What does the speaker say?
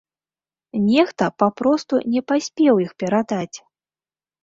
Нехта папросту не паспеў іх перадаць.